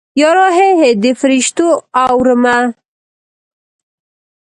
یارو هی هی د فریشتو اورمه